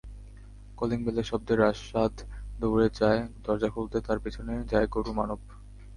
কলিংবেলের শব্দে রাশাদ দৌড়ে যায় দরজা খুলতে, তার পেছনে যায় গরু মানব।